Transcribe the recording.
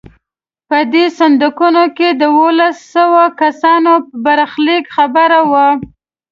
په دې صندوقونو کې د دولس سوه کسانو د برخلیک خبره وه.